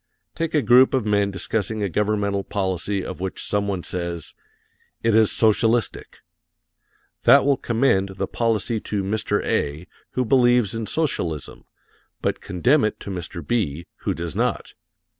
Take a group of men discussing a governmental policy of which some one says: "It is socialistic." That will commend the policy to Mr. A., who believes in socialism, but condemn it to Mr. B., who does not.